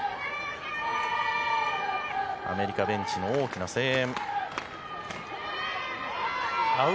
アメリカベンチの大きな声援。